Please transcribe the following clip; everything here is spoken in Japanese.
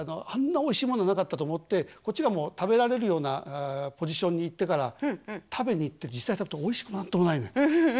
あんなおいしいものなかったと思ってこっちがもう食べられるようなポジションにいってから食べに行って実際食べてもおいしくも何ともないのよ。